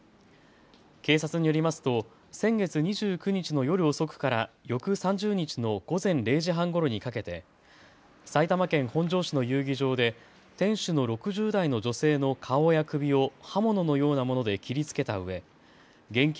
警察によりますと先月２９日の夜遅くから翌３０日の午前０時半ごろにかけて埼玉県本庄市の遊技場で店主の６０代の女性の顔や首を刃物のようなもので切りつけたうえ現金